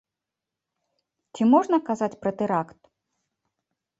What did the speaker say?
Ці можна казаць пра тэракт?